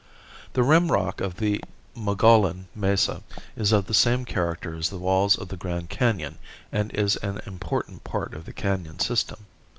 The rim rock of the Mogollon Mesa is of the same character as the walls of the Grand Canon and is an important part of the canon system.